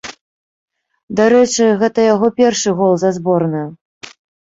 Дарэчы, гэта яго першы гол за зборную.